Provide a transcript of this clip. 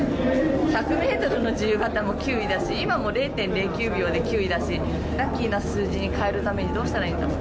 １００メートルの自由形も９位だし、今も０．０９秒で９位だし、ラッキーな数に変えるためにどうしたらいいんだろう。